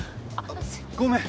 ごめん！